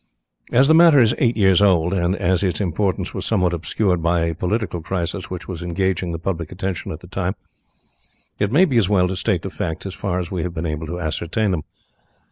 As the matter is eight years old, and as its importance was somewhat obscured by a political crisis which was engaging the public attention at the time, it may be as well to state the facts as far as we have been able to ascertain them.